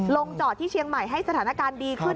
ลงจอดที่เชียงใหม่ให้สถานการณ์ดีขึ้น